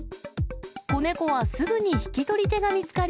子猫はすぐに引き取り手が見つかり、